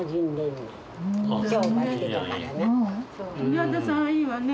宮田さんいいわね。